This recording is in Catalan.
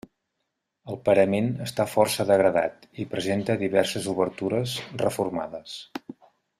El parament està força degradat i presenta diverses obertures reformades.